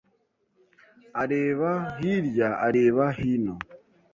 areba hirya areba hino